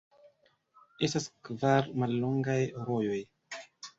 Estas kvar mallongaj rojoj.